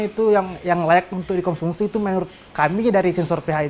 itu yang layak untuk dikonsumsi itu menurut kami dari sensor phi